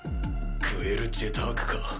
グエル・ジェタークか。